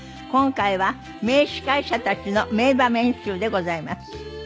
今回は名司会者たちの名場面集でございます。